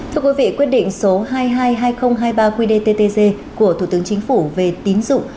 thưa quý vị quyết định số hai trăm hai mươi hai nghìn hai mươi ba qdttg của thủ tướng chính phủ về tín dụng